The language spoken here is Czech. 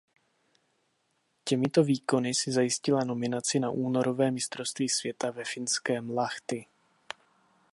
Těmito výkony si zajistila nominaci na únorové mistrovství světa ve finském Lahti.